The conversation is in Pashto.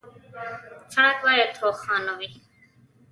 سړک باید روښانه وي.